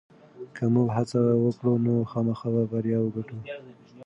که موږ هڅه وکړو نو خامخا به بریا وګټو.